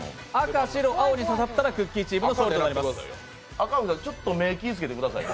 赤荻さん、ちょっと目気ぃつけてくださいね。